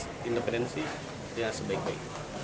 kita menjaga independensi dengan sebaik baik